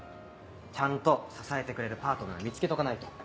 ちゃんと支えてくれるパートナー見つけとかないと。